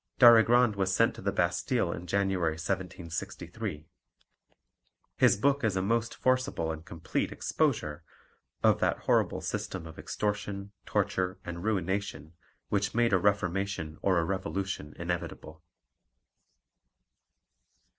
Darigrand was sent to the Bastille in January 1763. His book is a most forcible and complete exposure of that horrible system of extortion, torture, and ruination which made a reformation or a revolution inevitable.